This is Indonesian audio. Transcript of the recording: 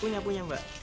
punya punya mbak